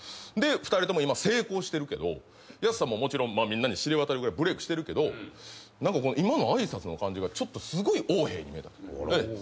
で２人とも今成功してるけどやすさんももちろんみんなに知れ渡るぐらいブレークしてるけど何か今の挨拶の感じがちょっとすごい横柄に見えたんですね。